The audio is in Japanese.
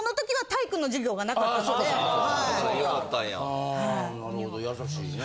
ああなるほど優しいね。